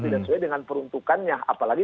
tidak sesuai dengan peruntukannya apalagi